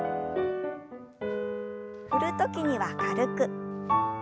振る時には軽く。